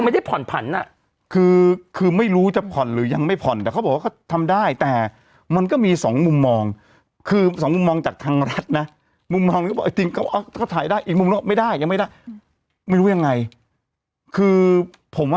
แต่ปรากฏว่านี่มันไม่สนุกแล้ว